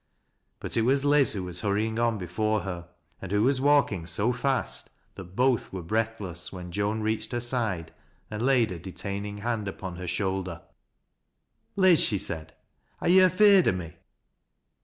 But it was Liz who was hurrying on before her, and who was walking so fast that both were breathless whor THE PACKAGE EETUMNED 175 Joan reached her side and laid a detaining hand upon ho shoulder. "Liz," she said, "are yo' afeard o' me?"